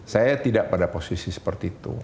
saya tidak pada posisi seperti itu